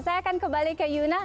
saya akan kembali ke yuna